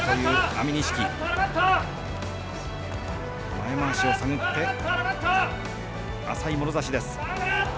前まわしを手繰って浅いもろ差しです。